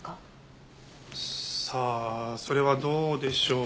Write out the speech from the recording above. さあそれはどうでしょう？